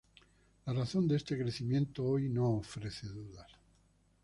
La razón de este crecimiento hoy no ofrece dudas.